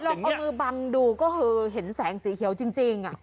เห็นเนี้ยเราเอามือบังดูก็เห็นแสงสีเขียวจริงจริงอ๋อ